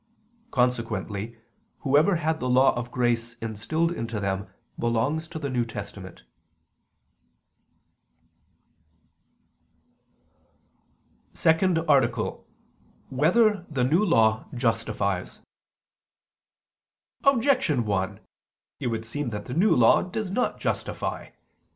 Consequently whoever had the law of grace instilled into them belonged to the New Testament. ________________________ SECOND ARTICLE [I II, Q. 106, Art. 2] Whether the New Law Justifies? Objection 1: It would seem that the New Law does not justify.